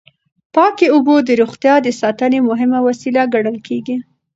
پاکې اوبه د روغتیا د ساتنې مهمه وسیله ګڼل کېږي.